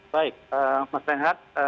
baik mas lenghat